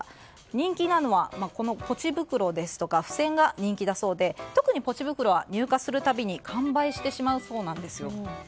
人気なのはポチ袋ですとか付箋が人気だそうで特にポチ袋は入荷する度に完売してしまうそうなんですよ。